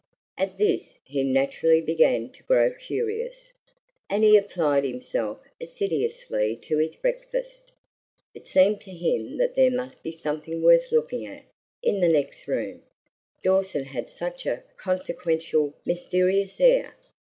At this he naturally began to grow curious, and he applied himself assiduously to his breakfast. It seemed to him that there must be something worth looking at, in the next room; Dawson had such a consequential, mysterious air.